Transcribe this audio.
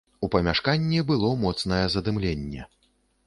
У памяшканні было моцнае задымленне.